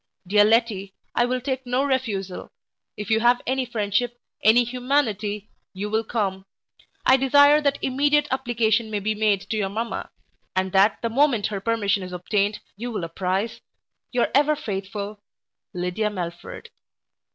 Dear Letty, I will take no refusal if you have any friendship any humanity you will come. I desire that immediate application may be made to your mamma; and that the moment her permission is obtained, you will apprise Your ever faithful, LYDIA MELFORD Oct.